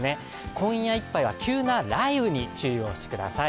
今夜いっぱいは急な雷雨に注意をしてください。